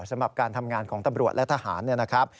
สำหรับการทำงานของตำรวจและทหารเนี่ยนะครับ